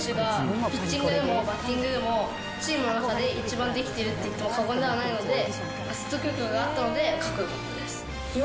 大谷選手がピッチングでもバッティングでも、チームの中で一番できてるっていっても過言ではないので、説得力があったのでかっこよかったです。